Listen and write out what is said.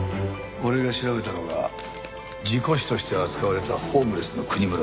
俺が調べたのが事故死として扱われたホームレスの国村誠司。